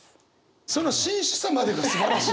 その真摯さまでがすばらしい。